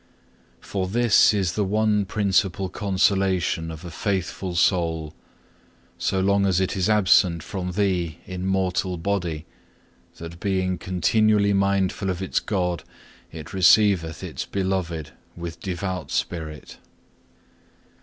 For this is the one principal consolation of a faithful soul, so long as it is absent from Thee in mortal body, that being continually mindful of its God, it receiveth its Beloved with devout spirit.